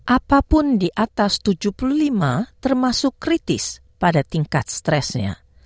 apapun di atas tujuh puluh lima termasuk kritis pada tingkat stresnya